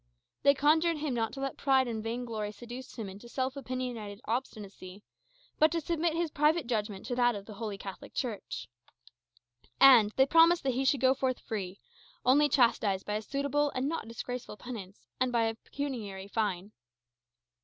They conjured him not to let pride and vain glory seduce him into self opinionated obstinacy, but to submit his private judgment to that of the Holy Catholic Church. And they promised that he should go forth free, only chastised by a suitable and not disgraceful penance, and by a pecuniary fine.